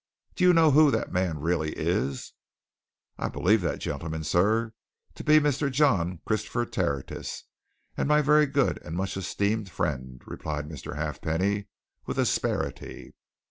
Do you know who that man really is?" "I believe that gentleman, sir, to be Mr. John Christopher Tertius, and my very good and much esteemed friend," replied Mr. Halfpenny, with asperity.